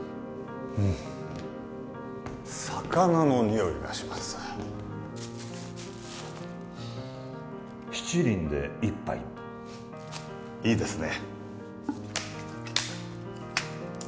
魚のにおいがします七輪で一杯いいですね